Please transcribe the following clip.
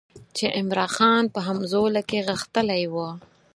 چې عمرا خان په همزولو کې غښتلی وو.